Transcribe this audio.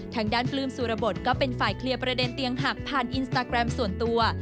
ทางด้านปลื้มสุรบทก็เป็นฝ่ายเคลียร์ประเด็นเตียงหักผ่านอินสตาแกรมส่วนตัว